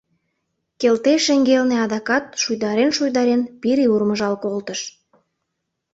Келтей шеҥгелне адакат, шуйдарен-шуйдарен, пире урмыжал колтыш.